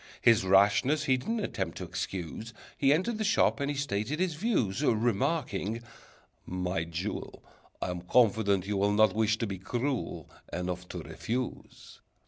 His rashness he didn't attempt to excuse, He entered the shop and he stated his views. Remarking, "My jewel, I'm confident you will Not wish to be cruel Enough to refuse.